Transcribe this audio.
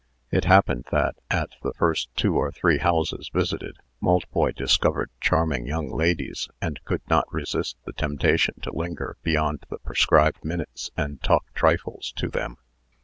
It happened that, at the first two or three houses visited, Maltboy discovered charming young ladies, and could not resist the temptation to linger beyond the prescribed minutes, and talk trifles to them.